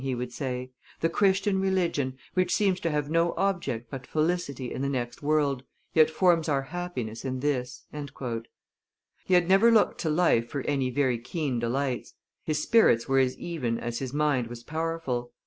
he would say, "the Christian religion, which seems to have no object but felicity in the next world, yet forms our happiness in this." He had never looked to life for any very keen delights; his spirits were as even as his mind was powerful.